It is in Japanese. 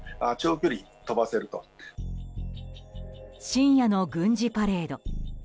深夜の軍事パレード。